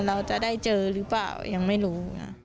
เราจะได้เจอหรือเปล่ายังไม่รู้นะ